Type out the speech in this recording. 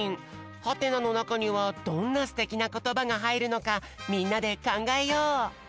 はてなのなかにはどんなすてきなことばがはいるのかみんなでかんがえよう！